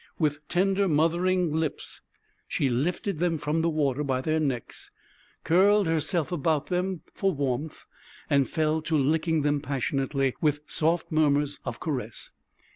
With tender, mothering lips she lifted them from the water by their necks, curled herself about them for warmth, and fell to licking them passionately with soft murmurs of caress.